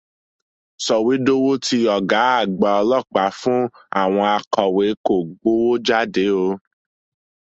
Sọ̀wédowo tí ọ̀gá àgbà ọlọ́pàá fún àwọn akọ̀wé kò gbówó jáde o.